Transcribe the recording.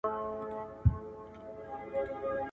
چي قاتِل مي د رڼا تر داره یو سم,